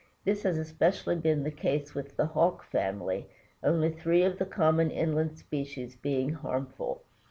This has especially been the case with the Hawk family, only three of the common inland species being harmful.